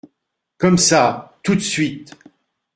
Comme Ca !… tout de suite !